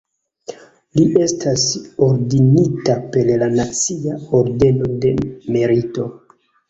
Li estas ordenita per la Nacia ordeno de Merito.